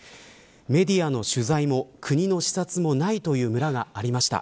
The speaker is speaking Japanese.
メディアの取材も国の視察もないという村がありました。